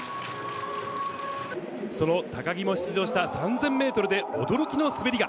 その高木も出場した３０００メートルで、驚きの滑りが。